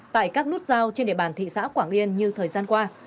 tại các nút giao trên địa bàn thị xã quảng yên như thời gian qua